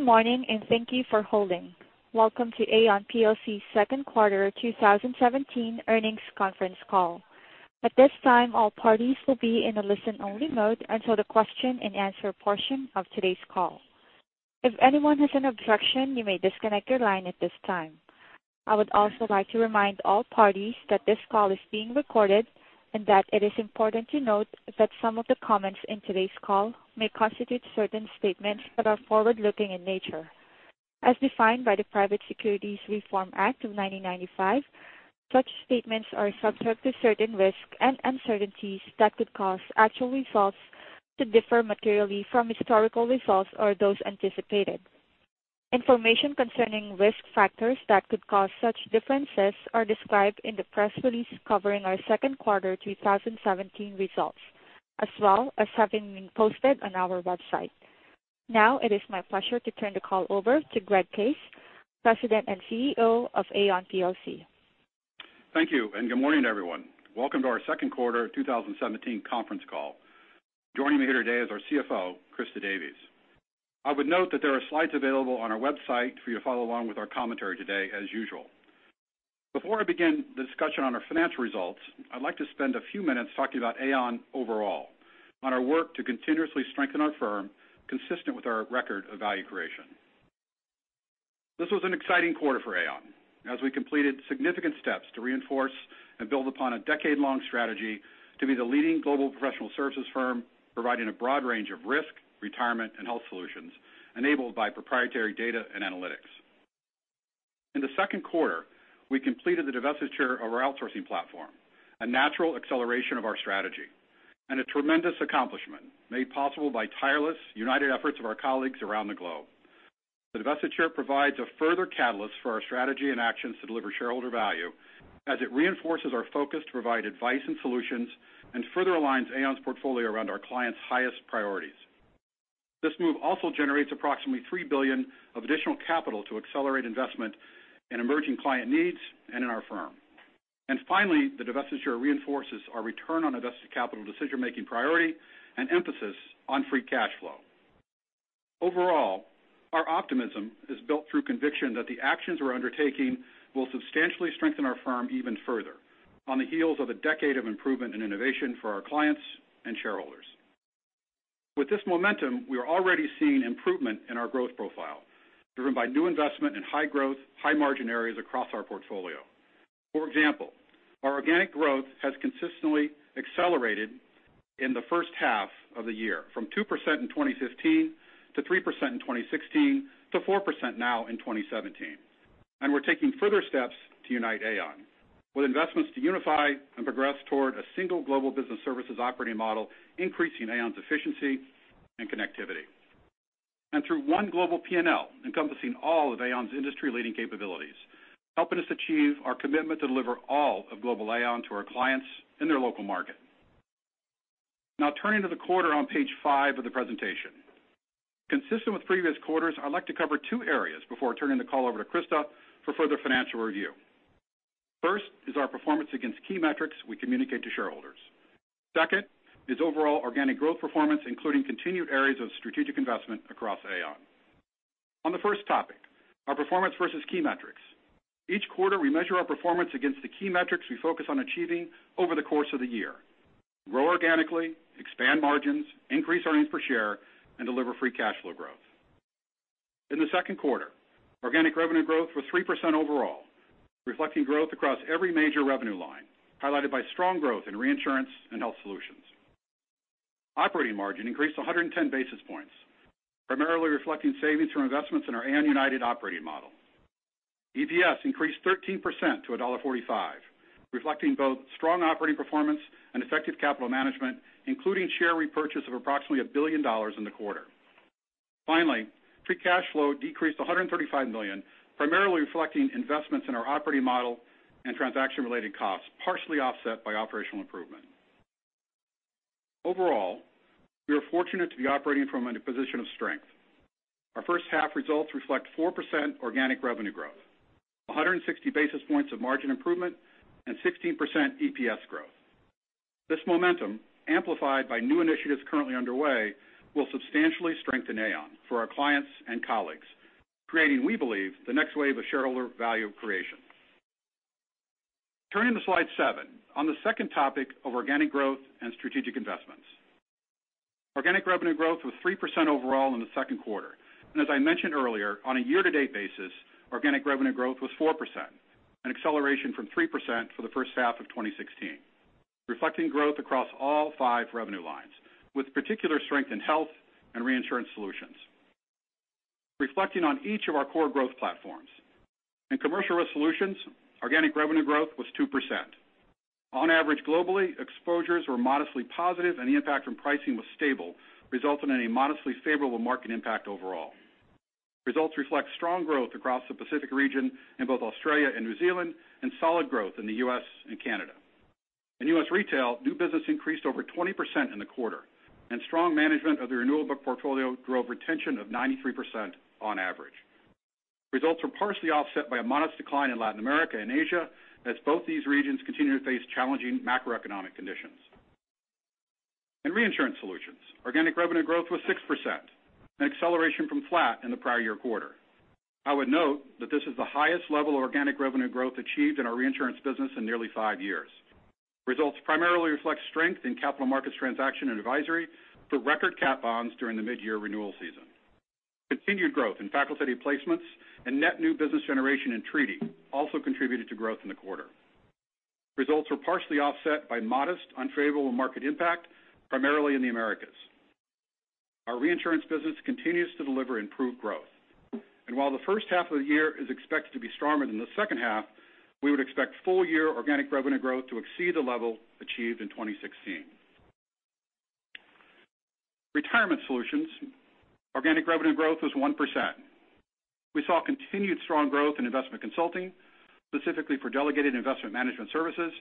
Good morning, and thank you for holding. Welcome to Aon plc second quarter 2017 earnings conference call. At this time, all parties will be in a listen-only mode until the question and answer portion of today's call. If anyone has an objection, you may disconnect your line at this time. I would also like to remind all parties that this call is being recorded and that it is important to note that some of the comments in today's call may constitute certain statements that are forward-looking in nature. As defined by the Private Securities Litigation Reform Act of 1995, such statements are subject to certain risks and uncertainties that could cause actual results to differ materially from historical results or those anticipated. Information concerning risk factors that could cause such differences are described in the press release covering our second quarter 2017 results, as well as having been posted on our website. Now it is my pleasure to turn the call over to Greg Case, President and CEO of Aon plc. Thank you, and good morning, everyone. Welcome to our second quarter 2017 conference call. Joining me here today is our CFO, Christa Davies. I would note that there are slides available on our website for you to follow along with our commentary today as usual. Before I begin the discussion on our financial results, I would like to spend a few minutes talking about Aon overall, on our work to continuously strengthen our firm consistent with our record of value creation. This was an exciting quarter for Aon as we completed significant steps to reinforce and build upon a decade-long strategy to be the leading global professional services firm, providing a broad range of risk, Retirement Solutions, and Health Solutions enabled by proprietary data and analytics. In the second quarter, we completed the divestiture of our outsourcing platform, a natural acceleration of our strategy and a tremendous accomplishment made possible by tireless, united efforts of our colleagues around the globe. The divestiture provides a further catalyst for our strategy and actions to deliver shareholder value as it reinforces our focus to provide advice and solutions and further aligns Aon's portfolio around our clients' highest priorities. This move also generates approximately $3 billion of additional capital to accelerate investment in emerging client needs and in our firm. Finally, the divestiture reinforces our return on invested capital decision-making priority and emphasis on free cash flow. Overall, our optimism is built through conviction that the actions we are undertaking will substantially strengthen our firm even further on the heels of a decade of improvement and innovation for our clients and shareholders. With this momentum, we are already seeing improvement in our growth profile, driven by new investment in high growth, high margin areas across our portfolio. For example, our organic growth has consistently accelerated in the first half of the year, from 2% in 2015 to 3% in 2016 to 4% now in 2017. We're taking further steps to unite Aon with investments to unify and progress toward a single global business services operating model, increasing Aon's efficiency and connectivity. Through one global P&L encompassing all of Aon's industry-leading capabilities, helping us achieve our commitment to deliver all of global Aon to our clients in their local market. Turning to the quarter on page five of the presentation. Consistent with previous quarters, I'd like to cover two areas before turning the call over to Christa for further financial review. First is our performance against key metrics we communicate to shareholders. Second is overall organic growth performance, including continued areas of strategic investment across Aon. On the first topic, our performance versus key metrics. Each quarter, we measure our performance against the key metrics we focus on achieving over the course of the year. Grow organically, expand margins, increase earnings per share, and deliver free cash flow growth. In the second quarter, organic revenue growth was 3% overall, reflecting growth across every major revenue line, highlighted by strong growth in Reinsurance Solutions and Health Solutions. Operating margin increased 110 basis points, primarily reflecting savings from investments in our Aon United operating model. EPS increased 13% to $1.45, reflecting both strong operating performance and effective capital management, including share repurchase of approximately $1 billion in the quarter. Finally, free cash flow decreased to $135 million, primarily reflecting investments in our operating model and transaction-related costs, partially offset by operational improvement. Overall, we are fortunate to be operating from a position of strength. Our first half results reflect 4% organic revenue growth, 160 basis points of margin improvement, and 16% EPS growth. This momentum, amplified by new initiatives currently underway, will substantially strengthen Aon for our clients and colleagues, creating, we believe, the next wave of shareholder value creation. Turning to slide seven on the second topic of organic growth and strategic investments. Organic revenue growth was 3% overall in the second quarter. As I mentioned earlier, on a year-to-date basis, organic revenue growth was 4%, an acceleration from 3% for the first half of 2016, reflecting growth across all five revenue lines, with particular strength in Health Solutions and Reinsurance Solutions. Reflecting on each of our core growth platforms. In Commercial Risk Solutions, organic revenue growth was 2%. On average, globally, exposures were modestly positive and the impact from pricing was stable, resulting in a modestly favorable market impact overall. Results reflect strong growth across the Pacific region in both Australia and New Zealand and solid growth in the U.S. and Canada. In U.S. retail, new business increased over 20% in the quarter and strong management of the renewable book portfolio drove retention of 93% on average. Results were partially offset by a modest decline in Latin America and Asia as both these regions continue to face challenging macroeconomic conditions. In Reinsurance Solutions, organic revenue growth was 6%, an acceleration from flat in the prior year quarter. I would note that this is the highest level of organic revenue growth achieved in our reinsurance business in nearly five years. Results primarily reflect strength in capital markets transaction and advisory for record cat bonds during the mid-year renewal season. Continued growth in facultative placements and net new business generation and treaty also contributed to growth in the quarter. Results were partially offset by modest unfavorable market impact, primarily in the Americas. Our reinsurance business continues to deliver improved growth. While the first half of the year is expected to be stronger than the second half, we would expect full-year organic revenue growth to exceed the level achieved in 2016. Retirement Solutions, organic revenue growth was 1%. We saw continued strong growth in investment consulting, specifically for delegated investment management services,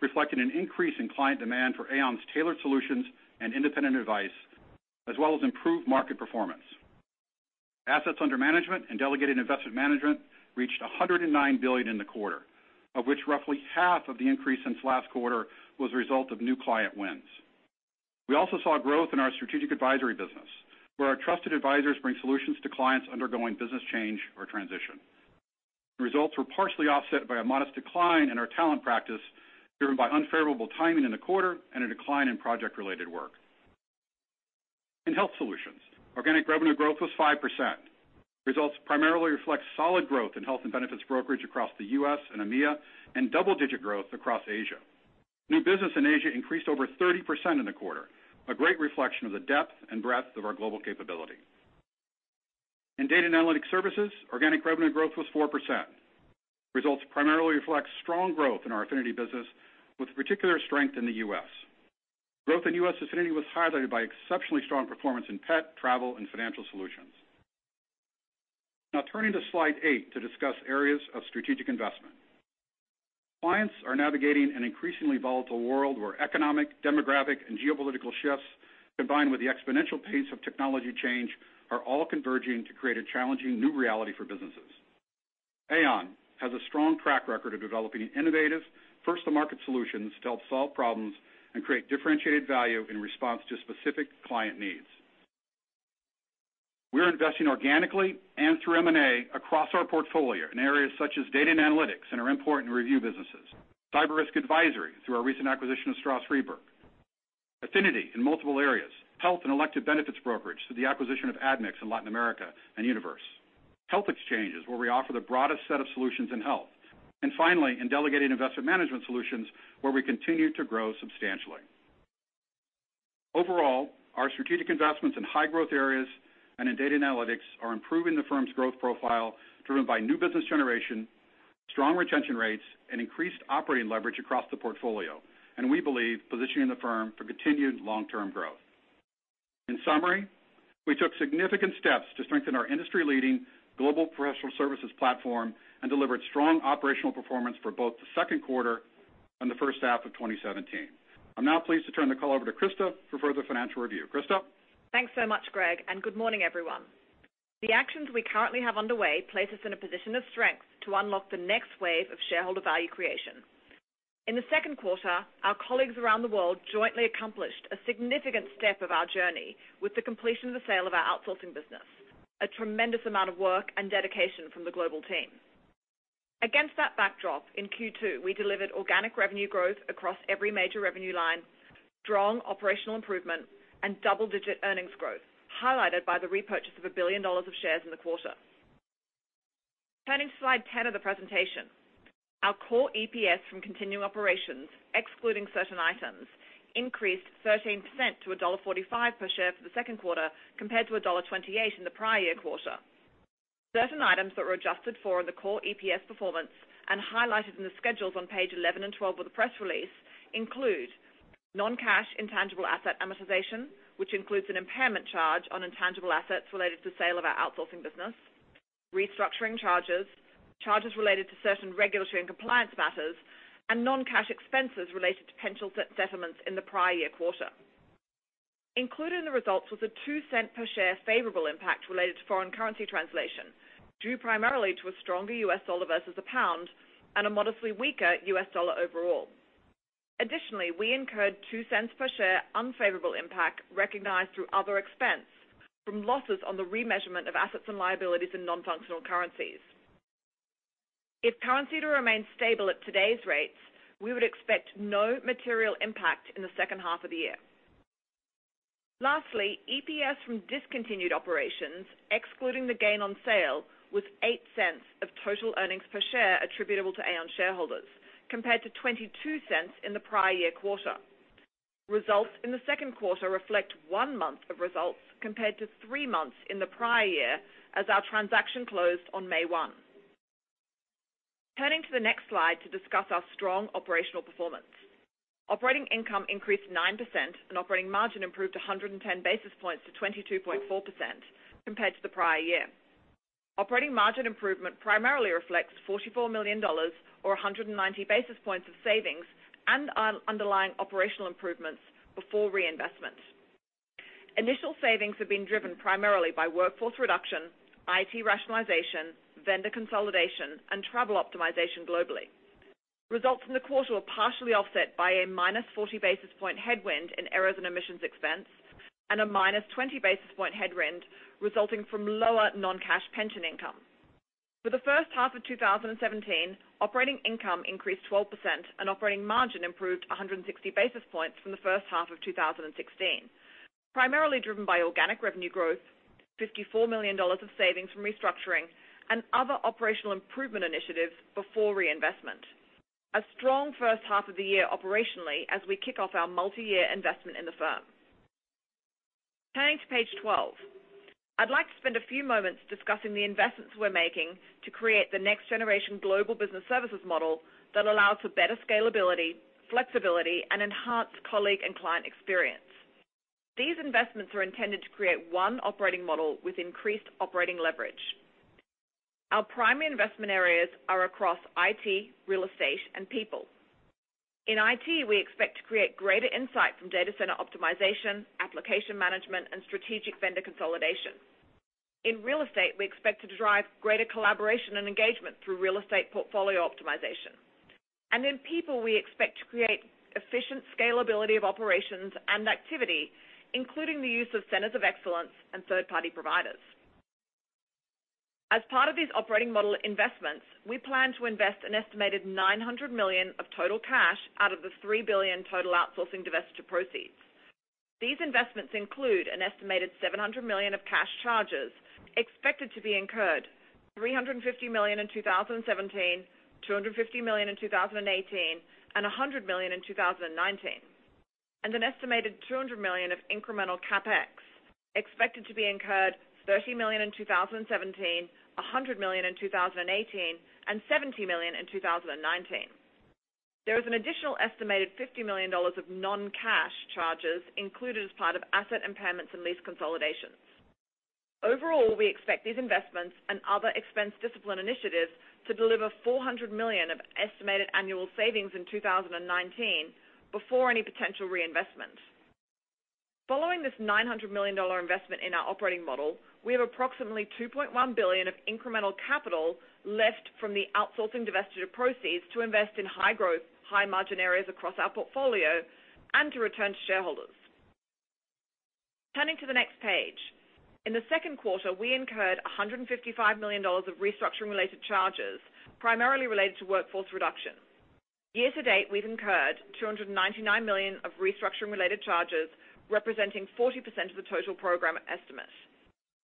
reflecting an increase in client demand for Aon's tailored solutions and independent advice, as well as improved market performance. Assets under management and delegated investment management reached $109 billion in the quarter, of which roughly half of the increase since last quarter was a result of new client wins. We also saw growth in our strategic advisory business, where our trusted advisors bring solutions to clients undergoing business change or transition. The results were partially offset by a modest decline in our talent practice, driven by unfavorable timing in the quarter and a decline in project-related work. In Health Solutions, organic revenue growth was 5%. Results primarily reflect solid growth in health and benefits brokerage across the U.S. and EMEA and double-digit growth across Asia. New business in Asia increased over 30% in the quarter, a great reflection of the depth and breadth of our global capability. In Data & Analytic Services, organic revenue growth was 4%. Results primarily reflect strong growth in our affinity business, with particular strength in the U.S. Growth in U.S. affinity was highlighted by exceptionally strong performance in pet, travel, and financial solutions. Now turning to slide eight to discuss areas of strategic investment. Clients are navigating an increasingly volatile world where economic, demographic, and geopolitical shifts, combined with the exponential pace of technology change, are all converging to create a challenging new reality for businesses. Aon has a strong track record of developing innovative, first-to-market solutions to help solve problems and create differentiated value in response to specific client needs. We're investing organically and through M&A across our portfolio in areas such as data and analytics in our InPoint and ReView businesses. Cyber risk advisory through our recent acquisition of Stroz Friedberg. Affinity in multiple areas. Health and elected benefits brokerage through the acquisition of Admix in Latin America and Univers. Health exchanges, where we offer the broadest set of solutions in health. Finally, in delegated investment management solutions, where we continue to grow substantially. Overall, our strategic investments in high growth areas and in data and analytics are improving the firm's growth profile, driven by new business generation, strong retention rates, and increased operating leverage across the portfolio, and we believe positioning the firm for continued long-term growth. In summary, we took significant steps to strengthen our industry-leading global professional services platform and delivered strong operational performance for both the second quarter and the first half of 2017. I'm now pleased to turn the call over to Christa for further financial review. Christa? Thanks so much, Greg. Good morning, everyone. The actions we currently have underway place us in a position of strength to unlock the next wave of shareholder value creation. In the second quarter, our colleagues around the world jointly accomplished a significant step of our journey with the completion of the sale of our outsourcing business, a tremendous amount of work and dedication from the global team. Against that backdrop, in Q2, we delivered organic revenue growth across every major revenue line, strong operational improvement, and double-digit earnings growth, highlighted by the repurchase of $1 billion of shares in the quarter. Turning to slide 10 of the presentation. Our core EPS from continuing operations, excluding certain items, increased 13% to $1.45 per share for the second quarter, compared to $1.28 in the prior year quarter. Certain items that were adjusted for in the core EPS performance highlighted in the schedules on page 11 and 12 of the press release include non-cash intangible asset amortization, which includes an impairment charge on intangible assets related to sale of our outsourcing business, restructuring charges related to certain regulatory and compliance matters, and non-cash expenses related to potential settlements in the prior year quarter. Included in the results was a $0.02 per share favorable impact related to foreign currency translation, due primarily to a stronger US dollar versus the GBP and a modestly weaker US dollar overall. Additionally, we incurred $0.02 per share unfavorable impact recognized through other expense from losses on the remeasurement of assets and liabilities in non-functional currencies. If currency were to remain stable at today's rates, we would expect no material impact in the second half of the year. Lastly, EPS from discontinued operations, excluding the gain on sale, was $0.08 of total earnings per share attributable to Aon shareholders, compared to $0.22 in the prior year quarter. Results in the second quarter reflect one month of results compared to three months in the prior year as our transaction closed on May 1. Turning to the next slide to discuss our strong operational performance. Operating income increased 9% and operating margin improved 110 basis points to 22.4% compared to the prior year. Operating margin improvement primarily reflects $44 million or 190 basis points of savings and underlying operational improvements before reinvestment. Initial savings have been driven primarily by workforce reduction, IT rationalization, vendor consolidation, and travel optimization globally. Results from the quarter were partially offset by a minus 40 basis point headwind in errors and omissions expense, a minus 20 basis point headwind resulting from lower non-cash pension income. For the first half of 2017, operating income increased 12% and operating margin improved 160 basis points from the first half of 2016, primarily driven by organic revenue growth, $54 million of savings from restructuring and other operational improvement initiatives before reinvestment. A strong first half of the year operationally as we kick off our multi-year investment in the firm. Turning to page 12. I'd like to spend a few moments discussing the investments we're making to create the next generation global business services model that allows for better scalability, flexibility, and enhanced colleague and client experience. These investments are intended to create one operating model with increased operating leverage. Our primary investment areas are across IT, real estate, and people. In IT, we expect to create greater insight from data center optimization, application management, and strategic vendor consolidation. In real estate, we expect to drive greater collaboration and engagement through real estate portfolio optimization. In people, we expect to create efficient scalability of operations and activity, including the use of centers of excellence and third-party providers. As part of these operating model investments, we plan to invest an estimated $900 million of total cash out of the $3 billion total outsourcing divestiture proceeds. These investments include an estimated $700 million of cash charges expected to be incurred $350 million in 2017, $250 million in 2018, and $100 million in 2019, and an estimated $200 million of incremental CapEx expected to be incurred $30 million in 2017, $100 million in 2018, and $70 million in 2019. There is an additional estimated $50 million of non-cash charges included as part of asset impairments and lease consolidations. Overall, we expect these investments and other expense discipline initiatives to deliver $400 million of estimated annual savings in 2019 before any potential reinvestment. Following this $900 million investment in our operating model, we have approximately $2.1 billion of incremental capital left from the outsourcing divestiture proceeds to invest in high growth, high margin areas across our portfolio and to return to shareholders. Turning to the next page. In the second quarter, we incurred $155 million of restructuring related charges, primarily related to workforce reduction. Year to date, we've incurred $299 million of restructuring related charges, representing 40% of the total program estimate.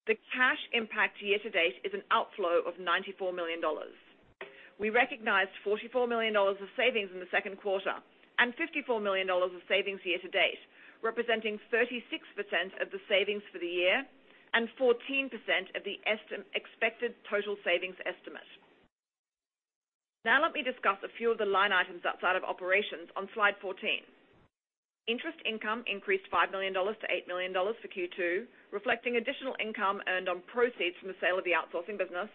The cash impact year to date is an outflow of $94 million. We recognized $44 million of savings in the second quarter and $54 million of savings year to date, representing 36% of the savings for the year and 14% of the expected total savings estimate. Now let me discuss a few of the line items outside of operations on slide 14. Interest income increased $5 million to $8 million for Q2, reflecting additional income earned on proceeds from the sale of the outsourcing business.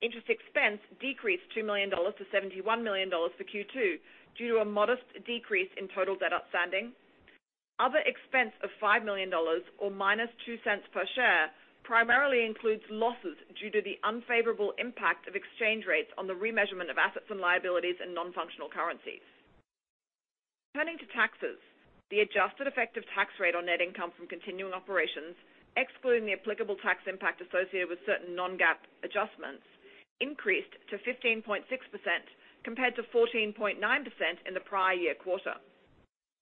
Interest expense decreased $2 million to $71 million for Q2 due to a modest decrease in total debt outstanding. Other expense of $5 million or -$0.02 per share primarily includes losses due to the unfavorable impact of exchange rates on the remeasurement of assets and liabilities in non-functional currencies. Turning to taxes. The adjusted effective tax rate on net income from continuing operations, excluding the applicable tax impact associated with certain non-GAAP adjustments, increased to 15.6% compared to 14.9% in the prior year quarter.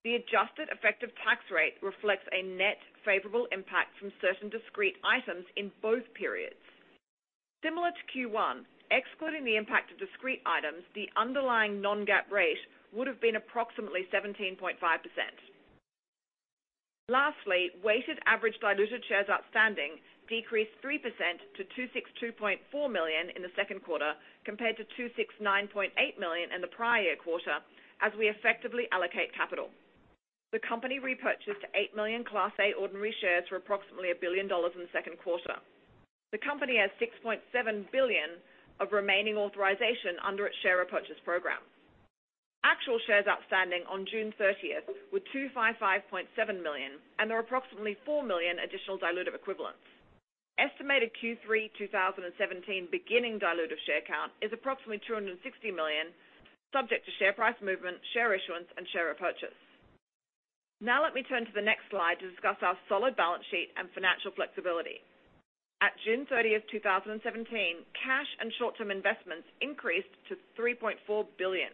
The adjusted effective tax rate reflects a net favorable impact from certain discrete items in both periods. Similar to Q1, excluding the impact of discrete items, the underlying non-GAAP rate would have been approximately 17.5%. Lastly, weighted average diluted shares outstanding decreased 3% to 262.4 million in the second quarter compared to 269.8 million in the prior year quarter as we effectively allocate capital. The company repurchased 8 million Class A ordinary shares for approximately $1 billion in the second quarter. The company has $6.7 billion of remaining authorization under its share repurchase program. Actual shares outstanding on June 30th were 255.7 million, and there are approximately 4 million additional dilutive equivalents. Estimated Q3 2017 beginning dilutive share count is approximately 260 million, subject to share price movement, share issuance, and share repurchase. Let me turn to the next slide to discuss our solid balance sheet and financial flexibility. At June 30th, 2017, cash and short-term investments increased to $3.4 billion,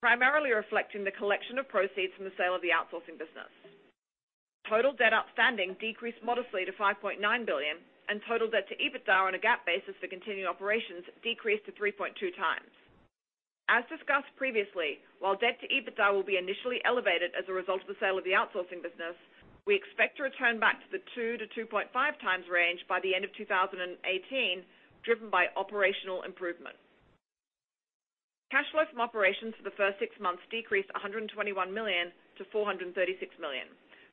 primarily reflecting the collection of proceeds from the sale of the outsourcing business. Total debt outstanding decreased modestly to $5.9 billion, and total debt to EBITDA on a GAAP basis for continuing operations decreased to 3.2 times. As discussed previously, while debt to EBITDA will be initially elevated as a result of the sale of the outsourcing business, we expect to return back to the 2-2.5 times range by the end of 2018, driven by operational improvement. Cash flow from operations for the first six months decreased $121 million to $436 million,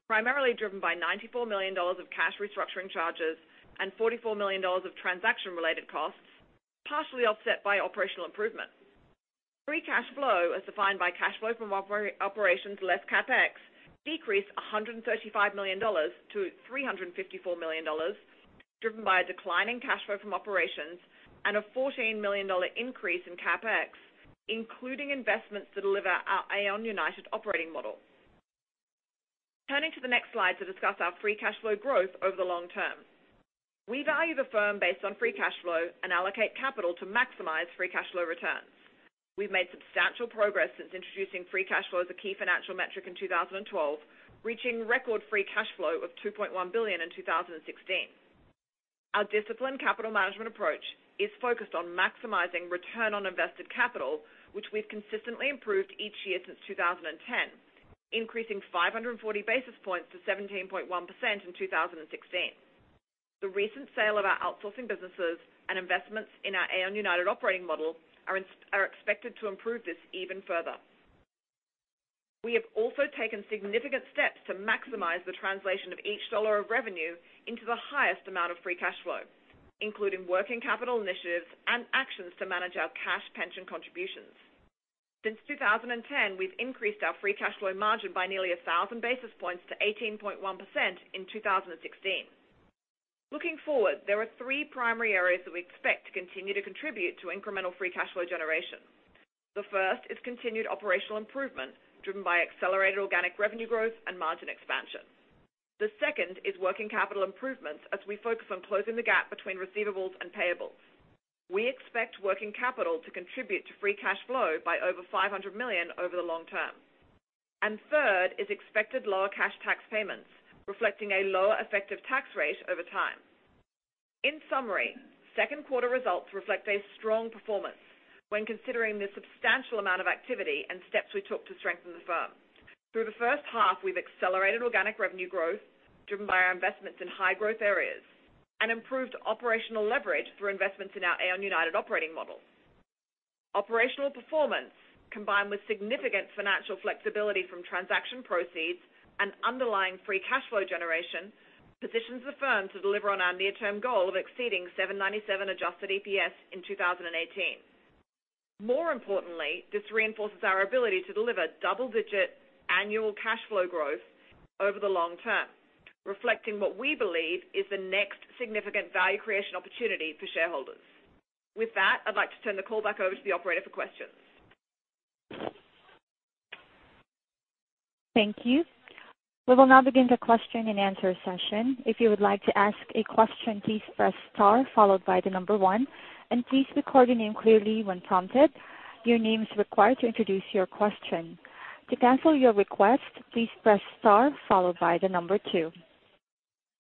primarily driven by $94 million of cash restructuring charges and $44 million of transaction-related costs, partially offset by operational improvement. Free cash flow, as defined by cash flow from operations less CapEx, decreased $135 million to $354 million, driven by a declining cash flow from operations and a $14 million increase in CapEx, including investments to deliver our Aon United operating model. Turning to the next slide to discuss our free cash flow growth over the long term. We value the firm based on free cash flow and allocate capital to maximize free cash flow returns. We've made substantial progress since introducing free cash flow as a key financial metric in 2012, reaching record free cash flow of $2.1 billion in 2016. Our disciplined capital management approach is focused on maximizing return on invested capital, which we've consistently improved each year since 2010, increasing 540 basis points to 17.1% in 2016. The recent sale of our outsourcing businesses and investments in our Aon United operating model are expected to improve this even further. We have also taken significant steps to maximize the translation of each dollar of revenue into the highest amount of free cash flow, including working capital initiatives and actions to manage our cash pension contributions. Since 2010, we've increased our free cash flow margin by nearly 1,000 basis points to 18.1% in 2016. Looking forward, there are three primary areas that we expect to continue to contribute to incremental free cash flow generation. The first is continued operational improvement, driven by accelerated organic revenue growth and margin expansion. The second is working capital improvements as we focus on closing the gap between receivables and payables. We expect working capital to contribute to free cash flow by over $500 million over the long term. Third is expected lower cash tax payments, reflecting a lower effective tax rate over time. In summary, second quarter results reflect a strong performance when considering the substantial amount of activity and steps we took to strengthen the firm. Through the first half, we've accelerated organic revenue growth, driven by our investments in high growth areas, and improved operational leverage through investments in our Aon United operating model. Operational performance, combined with significant financial flexibility from transaction proceeds and underlying free cash flow generation, positions the firm to deliver on our near-term goal of exceeding $7.97 adjusted EPS in 2018. More importantly, this reinforces our ability to deliver double-digit annual cash flow growth over the long term, reflecting what we believe is the next significant value creation opportunity for shareholders. With that, I'd like to turn the call back over to the operator for questions. Thank you. We will now begin the question and answer session. If you would like to ask a question, please press star followed by the number one, and please record your name clearly when prompted. Your name is required to introduce your question. To cancel your request, please press star followed by the number two.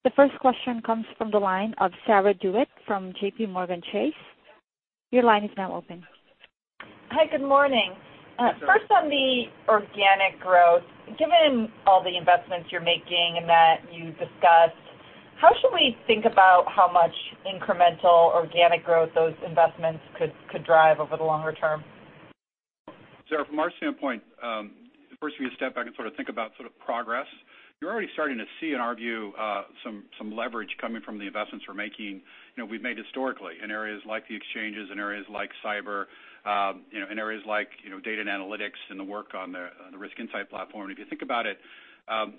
The first question comes from the line of Sarah DeWitt from JPMorgan Chase. Your line is now open. Hi, good morning. First on the organic growth. Given all the investments you're making and that you discussed, how should we think about how much incremental organic growth those investments could drive over the longer term? Sarah, from our standpoint, first we step back and think about progress. You're already starting to see, in our view, some leverage coming from the investments we're making, we've made historically in areas like the exchanges, in areas like cyber, in areas like Data and Analytics, and the work on the Risk Insight Platform. If you think about it, and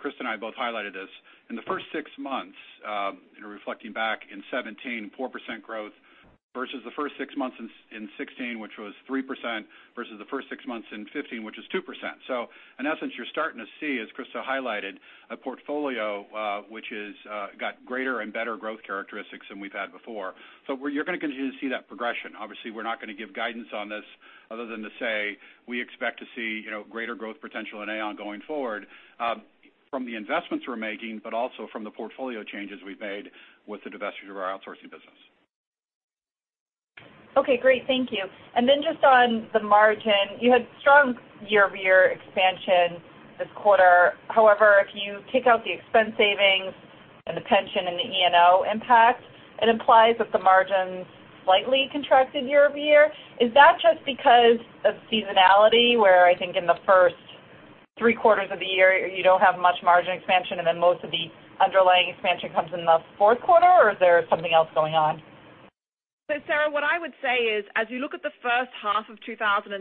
Christa and I both highlighted this, in the first six months, reflecting back in 2017, 4% growth versus the first six months in 2016, which was 3%, versus the first six months in 2015, which was 2%. In essence, you're starting to see, as Christa highlighted, a portfolio which has got greater and better growth characteristics than we've had before. You're going to continue to see that progression. Obviously, we're not going to give guidance on this other than to say we expect to see greater growth potential in Aon going forward from the investments we're making, but also from the portfolio changes we've made with the divesture of our outsourcing business. Okay, great. Thank you. Just on the margin, you had strong year-over-year expansion this quarter. However, if you take out the expense savings and the pension and the E&O impact, it implies that the margins slightly contracted year-over-year. Is that just because of seasonality, where I think in the first three quarters of the year, you don't have much margin expansion and then most of the underlying expansion comes in the fourth quarter, or is there something else going on? Sarah, what I would say is, as you look at the first half of 2017,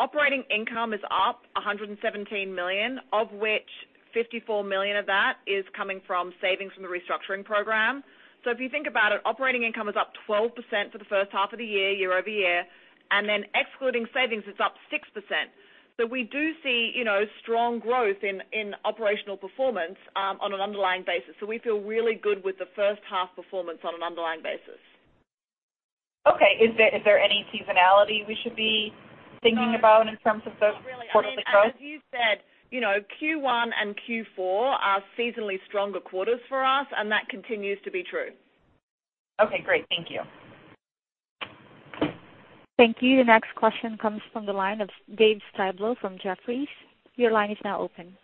operating income is up $117 million, of which $54 million of that is coming from savings from the restructuring program. If you think about it, operating income is up 12% for the first half of the year-over-year, excluding savings, it's up 6%. We do see strong growth in operational performance on an underlying basis. We feel really good with the first half performance on an underlying basis. Okay. Is there any seasonality we should be thinking about in terms of the quarter-to-quarter? Not really. I mean, as you said, Q1 and Q4 are seasonally stronger quarters for us, and that continues to be true. Okay, great. Thank you. Thank you. Your next question comes from the line of Dave Styblo from Jefferies. Your line is now open.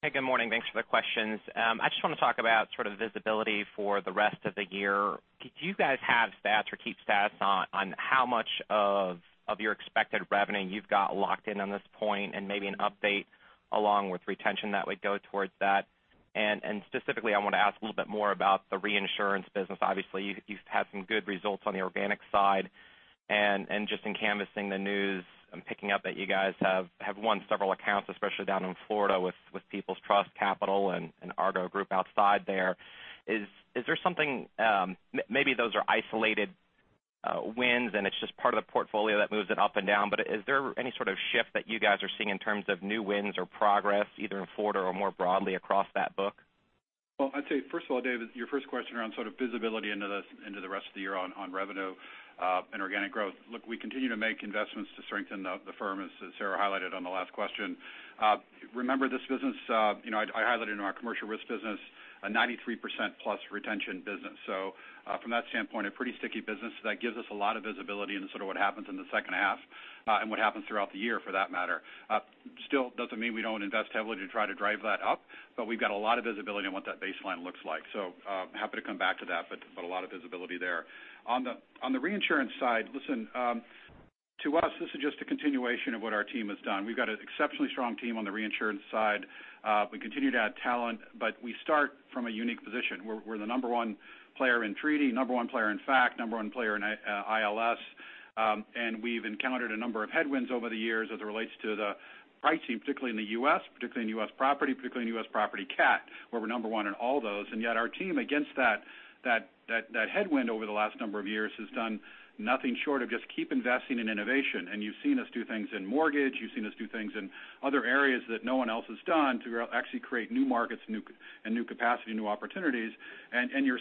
Hey, good morning. Thanks for the questions. I just want to talk about visibility for the rest of the year. Do you guys have stats or keep stats on how much of your expected revenue you've got locked in on this point, and maybe an update along with retention that would go towards that? Specifically, I want to ask a little bit more about the reinsurance business. Obviously, you've had some good results on the organic side. Just in canvassing the news, I'm picking up that you guys have won several accounts, especially down in Florida with People's Trust Insurance and Argo Group outside there. Those are isolated wins and it's just part of the portfolio that moves it up and down, is there any sort of shift that you guys are seeing in terms of new wins or progress, either in Florida or more broadly across that book? I'd say, first of all, David, your first question around sort of visibility into the rest of the year on revenue and organic growth. Look, we continue to make investments to strengthen the firm, as Sarah highlighted on the last question. Remember this business, I highlighted in our Commercial Risk Solutions business, a 93%-plus retention business. From that standpoint, a pretty sticky business that gives us a lot of visibility into sort of what happens in the second half and what happens throughout the year for that matter. Still doesn't mean we don't invest heavily to try to drive that up, we've got a lot of visibility on what that baseline looks like. Happy to come back to that, a lot of visibility there. On the reinsurance side, listen, to us, this is just a continuation of what our team has done. We've got an exceptionally strong team on the reinsurance side. We continue to add talent, we start from a unique position. We're the number one player in treaty, number one player in fac, number one player in ILS. We've encountered a number of headwinds over the years as it relates to the pricing, particularly in the U.S., particularly in U.S. property, particularly in U.S. property cat, where we're number one in all those. Yet our team against that headwind over the last number of years has done nothing short of just keep investing in innovation. You've seen us do things in mortgage. You've seen us do things in other areas that no one else has done to actually create new markets and new capacity, new opportunities. You're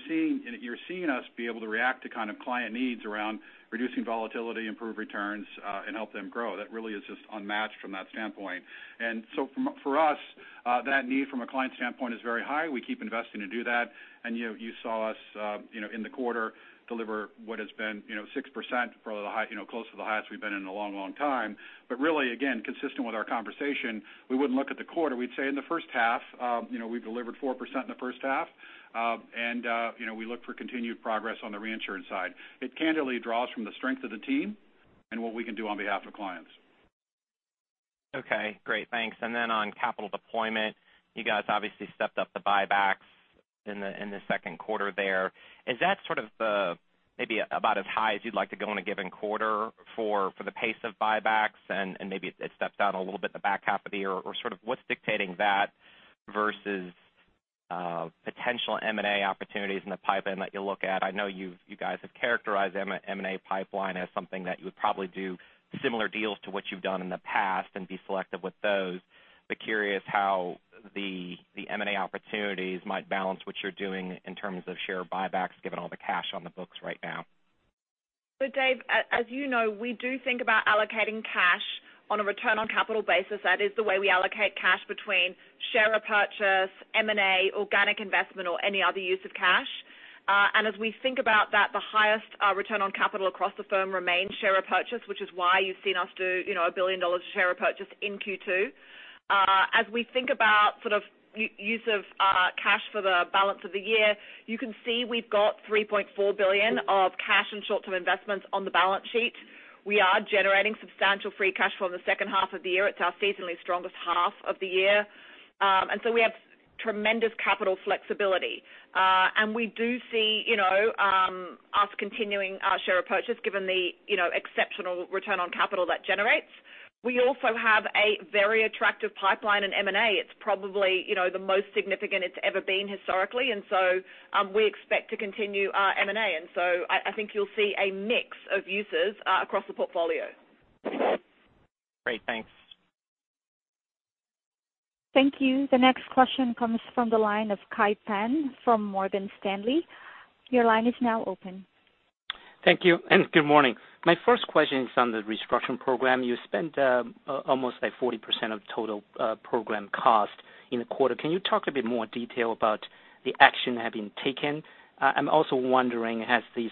seeing us be able to react to kind of client needs around reducing volatility, improve returns, and help them grow. That really is just unmatched from that standpoint. For us, that need from a client standpoint is very high. We keep investing to do that. You saw us in the quarter deliver what has been 6%, close to the highest we've been in a long, long time. Really, again, consistent with our conversation, we wouldn't look at the quarter. We'd say in the first half we've delivered 4% in the first half. We look for continued progress on the reinsurance side. It candidly draws from the strength of the team and what we can do on behalf of clients. Okay, great. Thanks. On capital deployment, you guys obviously stepped up the buybacks in the second quarter there. Is that sort of maybe about as high as you'd like to go in a given quarter for the pace of buybacks and maybe it steps down a little bit in the back half of the year or sort of what's dictating that versus potential M&A opportunities in the pipeline that you look at? I know you guys have characterized M&A pipeline as something that you would probably do similar deals to what you've done in the past and be selective with those. Curious how the M&A opportunities might balance what you're doing in terms of share buybacks, given all the cash on the books right now. Dave, as you know, we do think about allocating cash on a return on capital basis. That is the way we allocate cash between share repurchase, M&A, organic investment, or any other use of cash. As we think about that, the highest return on capital across the firm remains share repurchase, which is why you've seen us do $1 billion of share repurchase in Q2. As we think about sort of use of cash for the balance of the year, you can see we've got $3.4 billion of cash and short-term investments on the balance sheet. We are generating substantial free cash flow in the second half of the year. It's our seasonally strongest half of the year. We have tremendous capital flexibility. We do see us continuing our share repurchase given the exceptional return on capital that generates. We also have a very attractive pipeline in M&A. It's probably the most significant it's ever been historically. We expect to continue our M&A. I think you'll see a mix of uses across the portfolio. Great. Thanks. Thank you. The next question comes from the line of Kai Pan from Morgan Stanley. Your line is now open. Thank you. Good morning. My first question is on the restructuring program. You spent almost like 40% of total program cost in the quarter. Can you talk a bit more detail about the action having taken? I'm also wondering, has this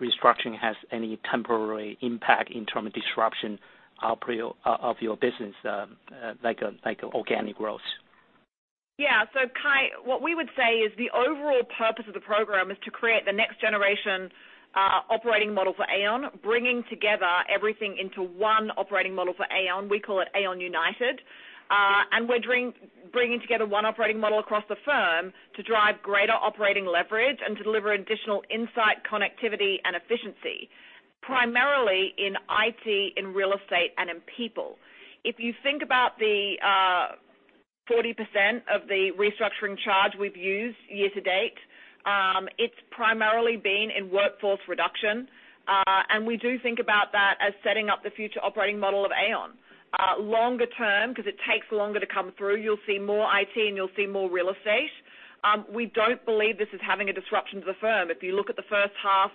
restructuring had any temporary impact in terms of disruption of your business like organic growth? Kai, what we would say is the overall purpose of the program is to create the next generation operating model for Aon, bringing together everything into one operating model for Aon. We call it Aon United. We're bringing together one operating model across the firm to drive greater operating leverage and deliver additional insight, connectivity, and efficiency, primarily in IT, in real estate, and in people. If you think about the 40% of the restructuring charge we've used year to date, it's primarily been in workforce reduction. We do think about that as setting up the future operating model of Aon. Longer term, because it takes longer to come through, you'll see more IT and you'll see more real estate. We don't believe this is having a disruption to the firm. If you look at the first half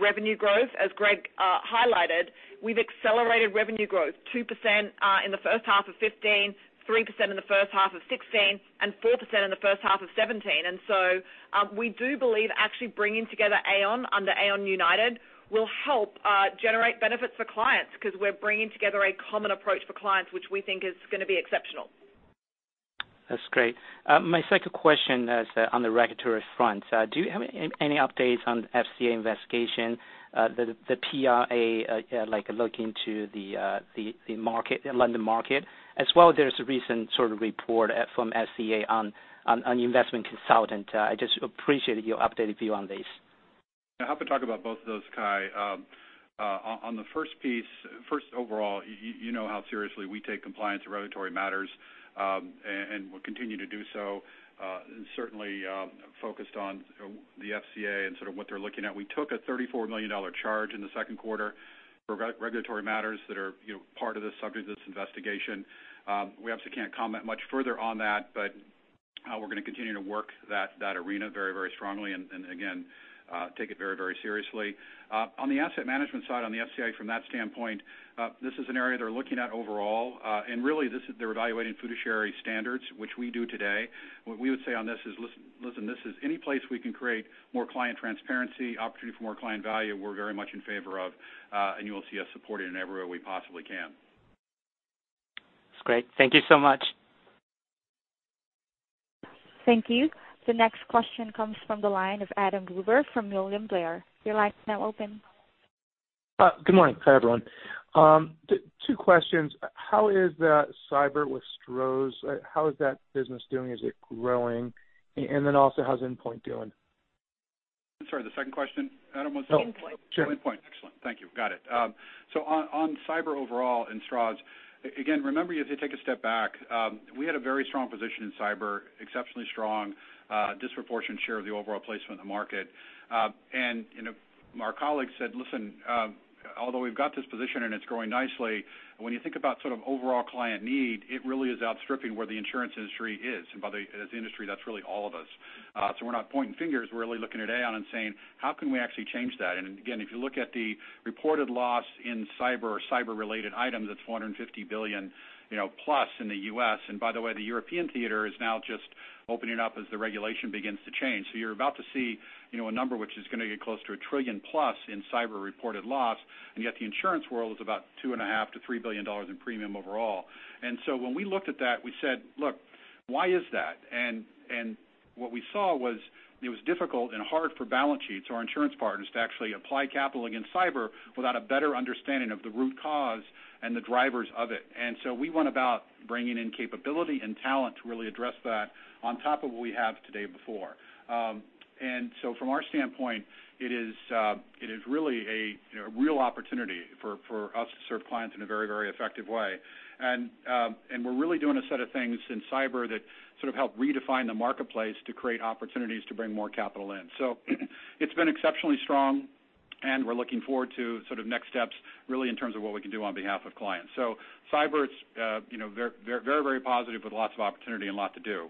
revenue growth, as Greg highlighted, we've accelerated revenue growth 2% in the first half of 2015, 3% in the first half of 2016, and 4% in the first half of 2017. We do believe actually bringing together Aon under Aon United will help generate benefits for clients because we're bringing together a common approach for clients, which we think is going to be exceptional. That's great. My second question is on the regulatory front. Do you have any updates on the FCA investigation? The PRA, a look into the London Market. There's a recent sort of report from FCA on investment consultant. I just appreciate your updated view on this. I'm happy to talk about both of those, Kai. On the first piece, first overall, you know how seriously we take compliance and regulatory matters, and we'll continue to do so. Certainly focused on the FCA and sort of what they're looking at. We took a $34 million charge in the second quarter for regulatory matters that are part of the subject of this investigation. We obviously can't comment much further on that, but we're going to continue to work that arena very strongly, and again, take it very seriously. On the asset management side, on the FCA from that standpoint, this is an area they're looking at overall. Really, they're evaluating fiduciary standards, which we do today. What we would say on this is, listen, this is any place we can create more client transparency, opportunity for more client value, we're very much in favor of. You will see us supporting it in every way we possibly can. That's great. Thank you so much. Thank you. The next question comes from the line of Adam Klauber from William Blair. Your line is now open. Good morning. Hi, everyone. Two questions. How is that cyber with Stroz? How is that business doing? Is it growing? Then also, how's InPoint doing? Sorry, the second question, Adam, was it? InPoint. Sure. InPoint. Excellent. Thank you. Got it. On cyber overall and Stroz, again, remember, as you take a step back, we had a very strong position in cyber, exceptionally strong, disproportionate share of the overall placement in the market. Our colleagues said, "Listen, although we've got this position and it's growing nicely, when you think about sort of overall client need, it really is outstripping where the insurance industry is." By the industry, that's really all of us. We're not pointing fingers. We're really looking at Aon and saying, "How can we actually change that?" Again, if you look at the reported loss in cyber or cyber-related items, it's $450 billion plus in the U.S. By the way, the European theater is now just opening up as the regulation begins to change. You're about to see a number which is going to get close to a trillion-plus in cyber reported loss. Yet the insurance world is about $2.5 billion-$3 billion in premium overall. When we looked at that, we said, "Look, why is that?" What we saw was it was difficult and hard for balance sheets or insurance partners to actually apply capital against cyber without a better understanding of the root cause and the drivers of it. We went about bringing in capability and talent to really address that on top of what we have today before. From our standpoint, it is really a real opportunity for us to serve clients in a very effective way. We're really doing a set of things in cyber that sort of help redefine the marketplace to create opportunities to bring more capital in. It's been exceptionally strong. We're looking forward to sort of next steps really in terms of what we can do on behalf of clients. Cyber, it's very positive with lots of opportunity and a lot to do.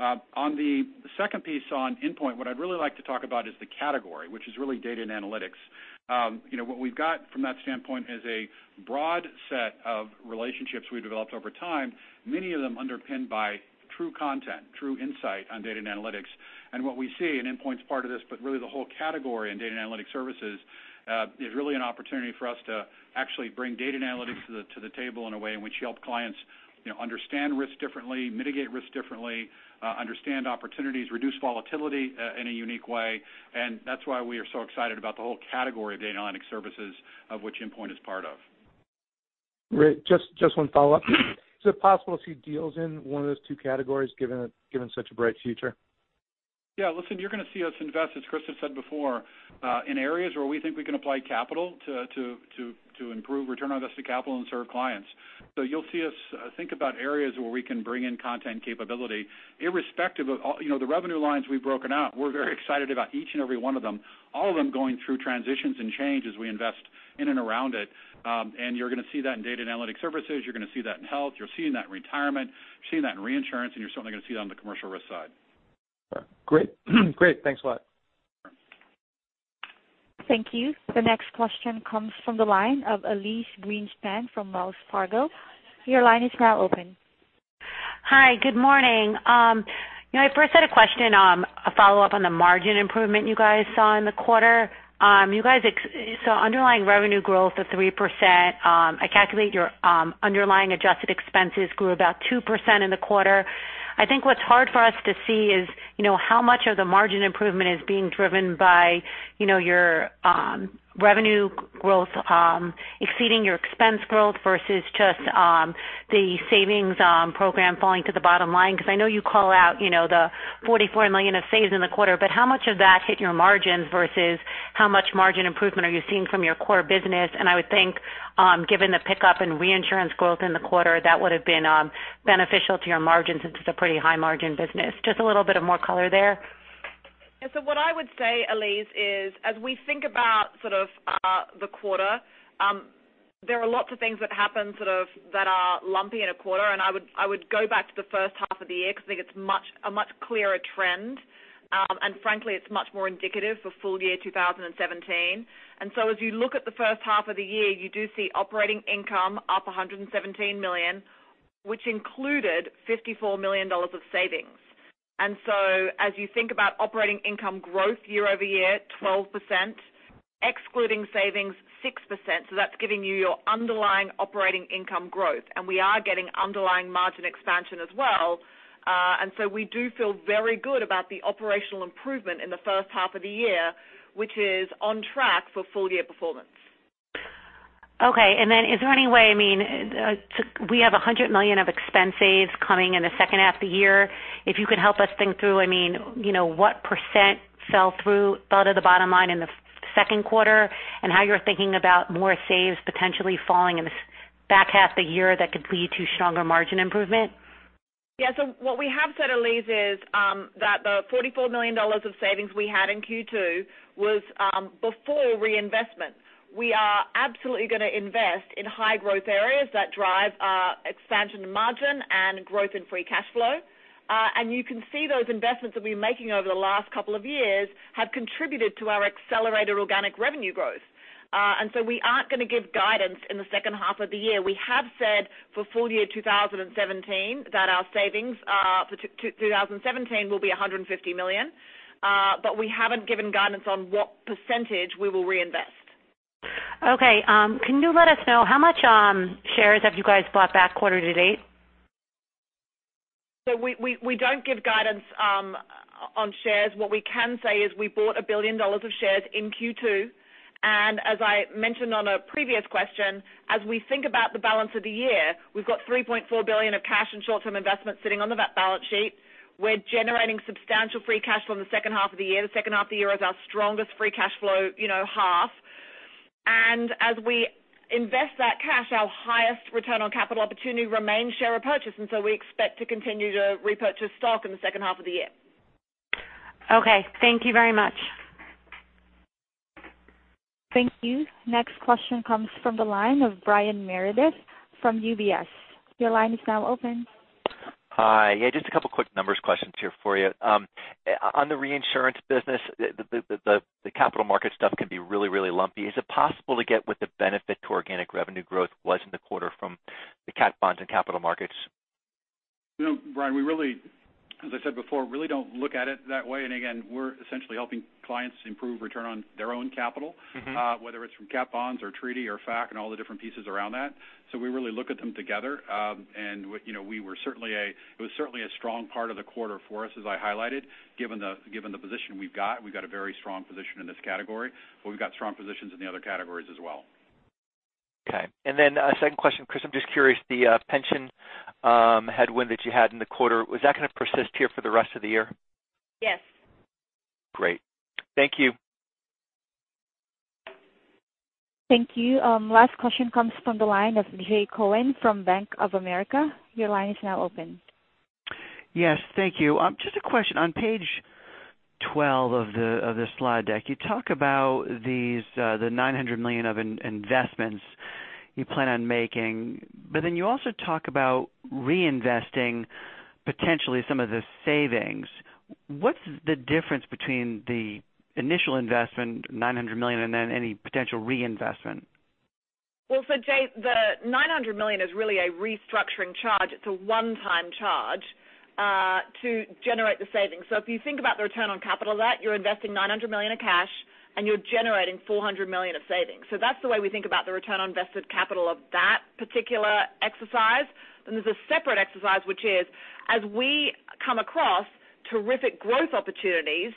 On the second piece on Endpoint, what I'd really like to talk about is the category, which is really Data & Analytics. What we've got from that standpoint is a broad set of relationships we've developed over time, many of them underpinned by true content, true insight on Data & Analytics. What we see, and Endpoint's part of this, but really the whole category in Data & Analytic Services is really an opportunity for us to actually bring Data & Analytics to the table in a way in which help clients understand risk differently, mitigate risk differently, understand opportunities, reduce volatility in a unique way. That's why we are so excited about the whole category of Data & Analytic Services of which Endpoint is part of. Great. Just one follow-up. Is it possible to see deals in one of those 2 categories given such a bright future? listen, you're going to see us invest, as Christa has said before, in areas where we think we can apply capital to improve return on invested capital and serve clients. You'll see us think about areas where we can bring in content capability irrespective of the revenue lines we've broken out. We're very excited about each and every one of them, all of them going through transitions and change as we invest in and around it. You're going to see that in Data & Analytic Services. You're going to see that in Health Solutions. You're seeing that in Retirement Solutions. You're seeing that in Reinsurance Solutions, and you're certainly going to see that on the Commercial Risk Solutions side. Great. Thanks a lot. Thank you. The next question comes from the line of Elyse Greenspan from Wells Fargo. Your line is now open. Hi. Good morning. I first had a question, a follow-up on the margin improvement you guys saw in the quarter. You guys saw underlying revenue growth of 3%. I calculate your underlying adjusted expenses grew about 2% in the quarter. I think what's hard for us to see is how much of the margin improvement is being driven by your revenue growth exceeding your expense growth versus just the savings program falling to the bottom line, because I know you call out the $44 million of saves in the quarter, but how much of that hit your margins versus how much margin improvement are you seeing from your core business? I would think given the pickup in Reinsurance Solutions growth in the quarter, that would have been beneficial to your margins since it's a pretty high margin business. Just a little bit of more color there. What I would say, Elyse, is as we think about sort of the quarter there are lots of things that happen sort of that are lumpy in a quarter, I would go back to the first half of the year because I think it's a much clearer trend. Frankly, it's much more indicative for full year 2017. As you look at the first half of the year, you do see operating income up $117 million, which included $54 million of savings. As you think about operating income growth year-over-year, 12%, excluding savings, 6%. That's giving you your underlying operating income growth. We are getting underlying margin expansion as well. We do feel very good about the operational improvement in the first half of the year, which is on track for full year performance. Okay. Is there any way, we have $100 million of expense saves coming in the second half of the year. If you could help us think through what % fell through to the bottom line in the second quarter, and how you're thinking about more saves potentially falling in the back half of the year that could lead to stronger margin improvement. Yeah. What we have said, Elyse, is that the $44 million of savings we had in Q2 was before reinvestment. We are absolutely going to invest in high growth areas that drive our expansion margin and growth in free cash flow. You can see those investments that we've been making over the last couple of years have contributed to our accelerated organic revenue growth. We aren't going to give guidance in the second half of the year. We have said for full year 2017 that our savings for 2017 will be $150 million. We haven't given guidance on what % we will reinvest. Okay. Can you let us know how much shares have you guys bought back quarter to date? We don't give guidance on shares. What we can say is we bought $1 billion of shares in Q2, as I mentioned on a previous question, as we think about the balance of the year, we've got $3.4 billion of cash and short-term investments sitting on the balance sheet. We're generating substantial free cash flow in the second half of the year. The second half of the year is our strongest free cash flow half. As we invest that cash, our highest return on capital opportunity remains share repurchase, we expect to continue to repurchase stock in the second half of the year. Thank you very much. Thank you. Next question comes from the line of Brian Meredith from UBS. Your line is now open. Hi. Just a couple quick numbers questions here for you. On the reinsurance business, the capital market stuff can be really lumpy. Is it possible to get what the benefit to organic revenue growth was in the quarter from the cat bonds and capital markets? You know, Brian, as I said before, really don't look at it that way. Again, we're essentially helping clients improve return on their own capital- whether it's from cat bonds or treaty or FAC and all the different pieces around that. We really look at them together. It was certainly a strong part of the quarter for us, as I highlighted, given the position we've got. We've got a very strong position in this category, but we've got strong positions in the other categories as well. Okay. Then a second question, Chris, I'm just curious, the pension headwind that you had in the quarter, was that going to persist here for the rest of the year? Yes. Great. Thank you. Thank you. Last question comes from the line of Jay Cohen from Bank of America. Your line is now open. Yes. Thank you. Just a question. On page 12 of the slide deck, you talk about the $900 million of investments you plan on making, you also talk about reinvesting potentially some of the savings. What's the difference between the initial investment, $900 million, and any potential reinvestment? Well, Jay, the $900 million is really a restructuring charge. It's a one-time charge to generate the savings. If you think about the return on capital of that, you're investing $900 million of cash and you're generating $400 million of savings. That's the way we think about the return on invested capital of that particular exercise. There's a separate exercise, which is as we come across terrific growth opportunities,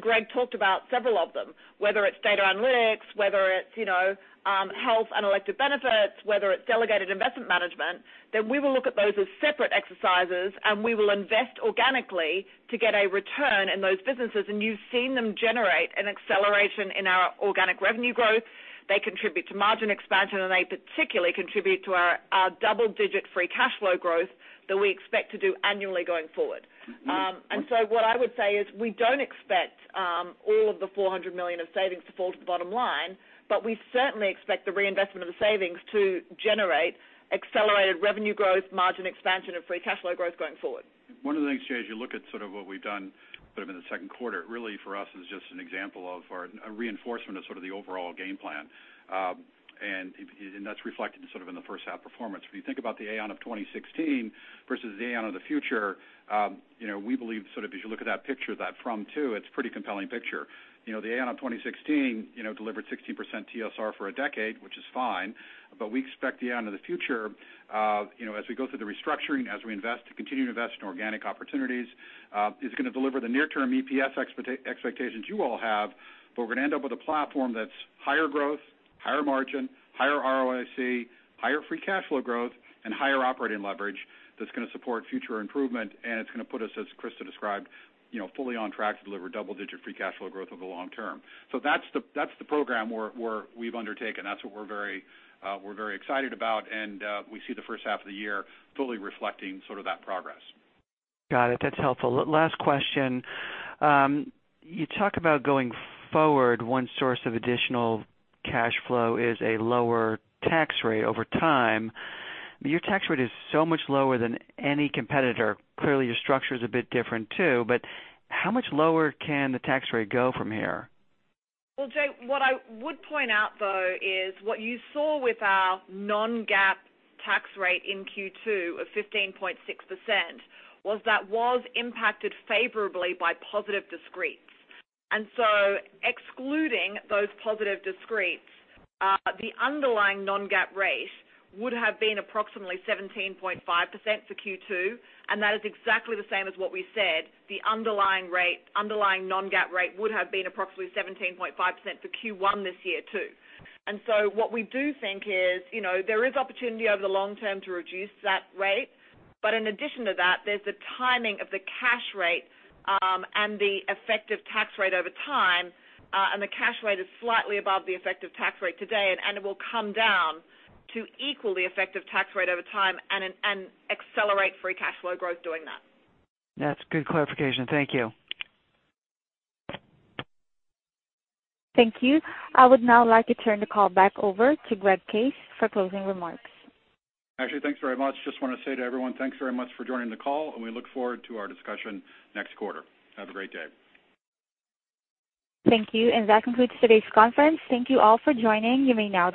Greg talked about several of them, whether it's data analytics, whether it's health and elective benefits, whether it's delegated investment management, we will look at those as separate exercises and we will invest organically to get a return in those businesses. You've seen them generate an acceleration in our organic revenue growth. They contribute to margin expansion, they particularly contribute to our double-digit free cash flow growth that we expect to do annually going forward. What I would say is we don't expect all of the $400 million of savings to fall to the bottom line, we certainly expect the reinvestment of the savings to generate accelerated revenue growth, margin expansion, and free cash flow growth going forward. One of the things, Jay, as you look at sort of what we've done sort of in the second quarter, really for us is just an example of, or a reinforcement of sort of the overall game plan. That's reflected in the first half performance. If you think about the Aon of 2016 versus the Aon of the future, we believe sort of as you look at that picture, that from two, it's pretty compelling picture. The Aon of 2016 delivered 16% TSR for a decade, which is fine, but we expect the Aon of the future, as we go through the restructuring, as we continue to invest in organic opportunities, is going to deliver the near term EPS expectations you all have, but we're going to end up with a platform that's higher growth, higher margin, higher ROIC, higher free cash flow growth, and higher operating leverage that's going to support future improvement. It's going to put us, as Christa described, fully on track to deliver double-digit free cash flow growth over the long term. That's the program we've undertaken. That's what we're very excited about, and we see the first half of the year fully reflecting sort of that progress. Got it. That's helpful. Last question. You talk about going forward, one source of additional cash flow is a lower tax rate over time. Your tax rate is so much lower than any competitor. Clearly, your structure is a bit different too, but how much lower can the tax rate go from here? Jay, what I would point out though is what you saw with our non-GAAP tax rate in Q2 of 15.6% was that was impacted favorably by positive discretes. Excluding those positive discretes, the underlying non-GAAP rate would have been approximately 17.5% for Q2, and that is exactly the same as what we said the underlying non-GAAP rate would have been approximately 17.5% for Q1 this year too. What we do think is there is opportunity over the long term to reduce that rate. In addition to that, there's the timing of the cash rate, and the effective tax rate over time, and the cash rate is slightly above the effective tax rate today, and it will come down to equal the effective tax rate over time and accelerate free cash flow growth doing that. That's good clarification. Thank you. Thank you. I would now like to turn the call back over to Greg Case for closing remarks. Ashley, thanks very much. Just want to say to everyone, thanks very much for joining the call, and we look forward to our discussion next quarter. Have a great day. Thank you. That concludes today's conference. Thank you all for joining. You may now disconnect.